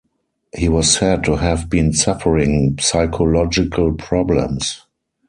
He was said to have been suffering psychological problems.